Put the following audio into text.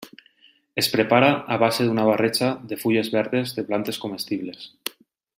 Es prepara a base d'una barreja de fulles verdes de plantes comestibles.